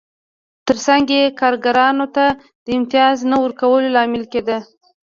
ترڅنګ یې کارګرانو ته د امتیاز نه ورکولو لامل کېده